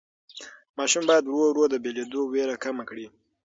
ماشوم باید ورو ورو د بېلېدو وېره کمه کړي.